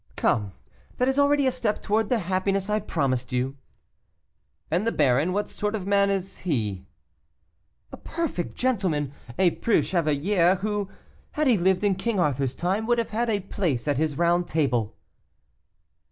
"Come, that is already a step towards the happiness I promised you." "And the baron, what sort of a man is he?" "A perfect gentleman, a preux chevalier, who, had he lived in King Arthur's time, would have had a place at his round table."